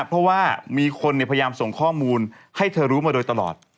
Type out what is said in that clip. เพราะว่ามีคนพยายามส่งข้อมูลให้เธอรู้มาโดยตลอด